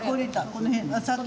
この辺。